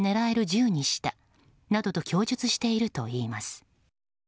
銃にしたなどと供述しているといいます。